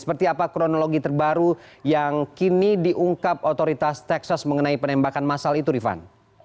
seperti apa kronologi terbaru yang kini diungkap otoritas texas mengenai penembakan masal itu rifan